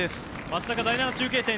松阪第７中継点